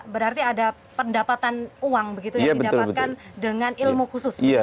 berarti ada pendapatan uang begitu yang didapatkan dengan ilmu khusus